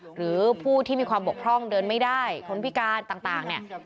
หรือผู้ที่มีความบกพร่องเดินไม่ได้คนพิการต่างเนี่ย